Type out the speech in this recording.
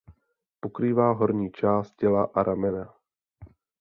Pokrývá horní část těla a ramena.